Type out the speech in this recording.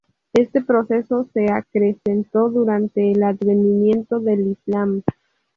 Este proceso se acrecentó durante el advenimiento del Islam.